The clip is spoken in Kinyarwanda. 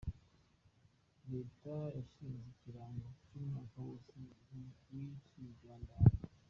Reta yashinze ikiringo c’umwaka wose w’ikigandaro.